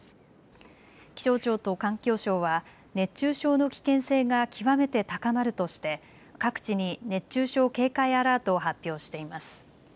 気象庁と環境省は熱中症の危険性が極めて高まるとして各地に熱中症警戒アラートを発表しています。